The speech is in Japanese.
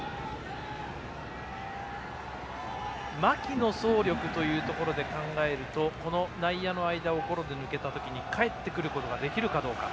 牧の走力というところで考えるとこの内野の間をゴロで抜けた時にかえってくることができるかどうか。